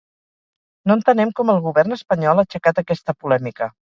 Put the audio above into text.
No entenem com el govern espanyol ha aixecat aquesta polèmica.